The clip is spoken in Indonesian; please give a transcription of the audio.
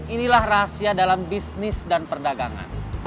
inilah rahasia dalam bisnis dan perdagangan